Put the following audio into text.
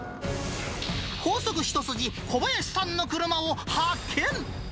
高速一筋、小林さんの車を発見。